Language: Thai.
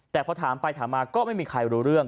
แต่พอถามไปถามมาก็ไม่มีใครรู้เรื่อง